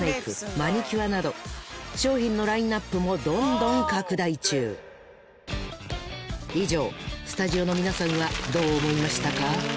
マニキュアなど商品のラインアップもどんどん拡大中以上スタジオの皆さんはどう思いましたか？